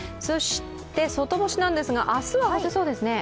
外干しなんですが、明日は干せそうですね。